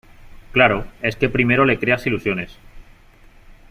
claro , es que primero le creas ilusiones ,